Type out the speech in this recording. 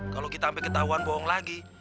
kalau kita sampai ketahuan bohong lagi